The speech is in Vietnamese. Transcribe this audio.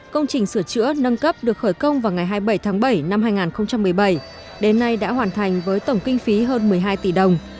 công trình sửa chữa nâng cấp được khởi công vào ngày hai mươi bảy tháng bảy năm hai nghìn một mươi bảy đến nay đã hoàn thành với tổng kinh phí hơn một mươi hai tỷ đồng